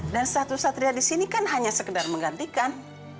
dan satu satria di sini kan hanya sekedar menggantikan